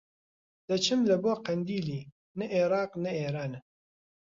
دەچم لە بۆ قەندیلی نە ئێراق نە ئێرانە